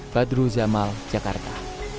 badru jamal jakarta